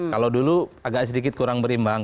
kalau dulu agak sedikit kurang berimbang